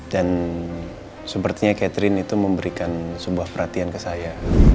dan sepertinya catherine itu memberikan sebuah perhatian ke saya